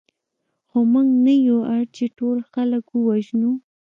خو موږ نه یو اړ چې ټول خلک ووژنو